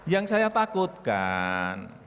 yang saya takutkan